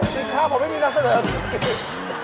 กินข้าวผมไม่มีนักเสริม